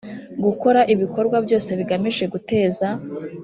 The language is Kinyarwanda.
gukora ibikorwa byose bigamije guteza